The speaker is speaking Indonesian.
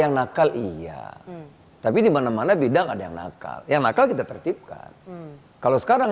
yang nakal iya tapi dimana mana bidang ada yang nakal yang nakal kita tertipkan kalau sekarang